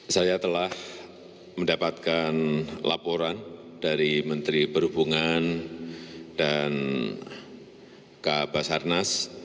saya telah mendapatkan laporan dari menteri perhubungan dan ka basarnas